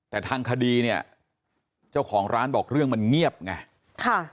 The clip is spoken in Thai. แต่ทางคดีเนี่ยเจ้าของร้านบอกเรื่องมันเงียบไงค่ะ